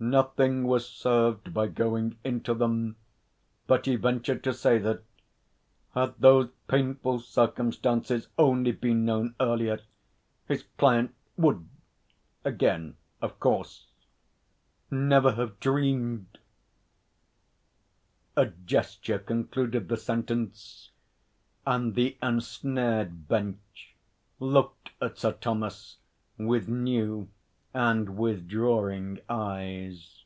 Nothing was served by going into them, but he ventured to say that, had those painful circumstances only been known earlier, his client would again 'of course' never have dreamed A gesture concluded the sentence, and the ensnared Bench looked at Sir Thomas with new and withdrawing eyes.